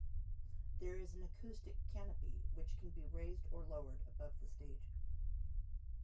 There is an acoustic canopy which can be raised or lowered above the stage.